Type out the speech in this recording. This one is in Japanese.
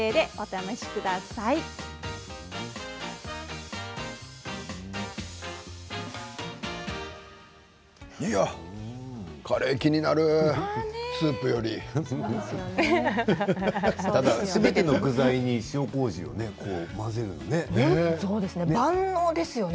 ただ、すべての具材に塩こうじを混ぜるんですね。